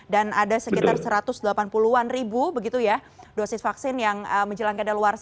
dan ada sekitar satu ratus delapan puluh an ribu begitu ya dosis vaksin yang menjelangkan ada luar